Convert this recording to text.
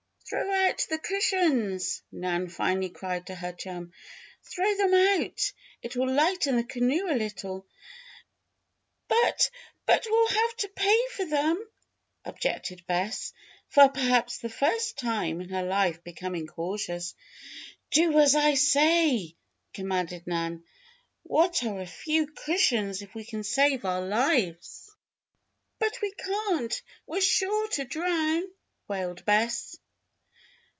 "Throw out the cushions!" Nan finally cried to her chum. "Throw them out, it will lighten the canoe a little." "But but we'll have to pay for them," objected Bess, for perhaps the first time in her life becoming cautious. "Do as I say!" commanded Nan. "What are a few cushions if we can save our lives?" "But we can't! We're sure to drown!" wailed Bess.